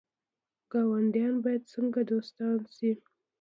ګاونډیان باید څنګه دوستان شي؟